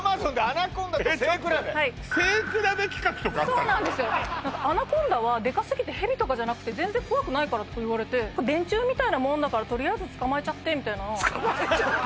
アナコンダはデカすぎてヘビとかじゃなくて全然怖くないからとか言われて「電柱みたいなもんだからとりあえず」「捕まえちゃって」みたいな「捕まえちゃって」